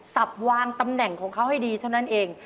วางตำแหน่งของเขาให้ดีเท่านั้นเอง